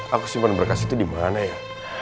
aku simpan berkas itu dimana ya